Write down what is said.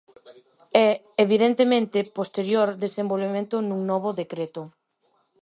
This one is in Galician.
E, evidentemente, posterior desenvolvemento nun novo decreto.